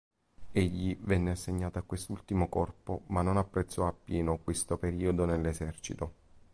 Egli venne assegnato a quest'ultimo corpo ma non apprezzò a pieno questo periodo nell'esercito.